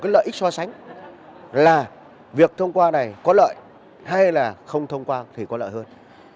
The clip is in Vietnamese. là việc thông qua này có lợi hay là không thông qua thì có lợi hơn